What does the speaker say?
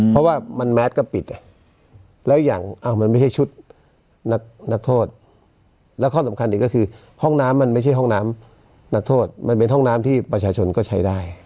เพราะว่ามันแมสก็ปิดแล้วอย่างมันไม่ใช่ชุดนักโทษแล้วข้อสำคัญอีกก็คือห้องน้ำมันไม่ใช่ห้องน้ำนักโทษมันเป็นห้องน้ำที่ประชาชนก็ใช้ได้